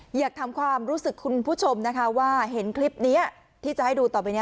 อยากทำความรู้สึกคุณผู้ชมนะคะว่าเห็นคลิปนี้ที่จะให้ดูต่อไปนี้